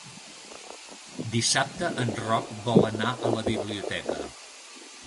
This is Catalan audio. Dissabte en Roc vol anar a la biblioteca.